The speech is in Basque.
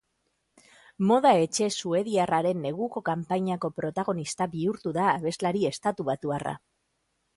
Moda etxe suediarraren neguko kanpainako protagonista bihurtu da abeslari estatubatuarra.